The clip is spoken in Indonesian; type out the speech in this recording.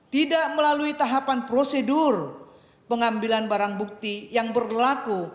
tidak melalui tahapan prosedur pengambilan barang bukti yang berlaku